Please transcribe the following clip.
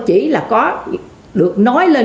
chỉ là có được nói lên